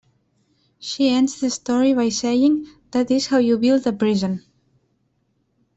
She ends the story by saying That is how you build a prison.